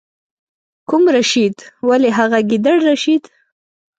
کوم رشید؟ ولې هغه ګیدړ رشید.